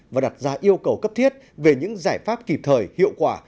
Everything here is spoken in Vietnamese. và đặt ra yêu cầu cấp thiết về những giải pháp kịp thời hiệu quả